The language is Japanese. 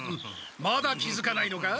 まだ気づかないのか？